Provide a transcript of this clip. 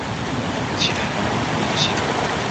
其他版本控制系统